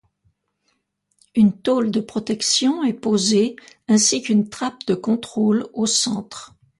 Une tôle de protection est posée ainsi qu'une trappe de contrôle au centre.